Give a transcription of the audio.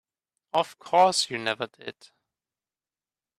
Of course you never did.